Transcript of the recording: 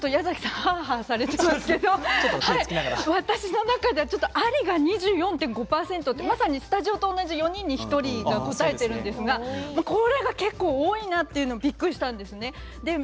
はあはあされていますけど私の中では、ありが２４．５％ってまさにスタジオと同じように４人に１人が答えてるんですけど多いなとびっくりしたんです。